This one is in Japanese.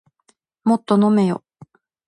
もっと飲めよ